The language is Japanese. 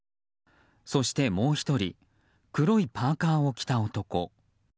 そして、もう１人黒いパーカを着た男。